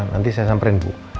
nanti saya samperin bu